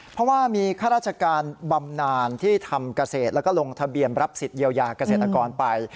เพราะว่ามีข้าราชการบำนานที่ทำเกษตรแล้วก็ลงทะเบียนรับสิทธิเยียวยาเกษตรกรไป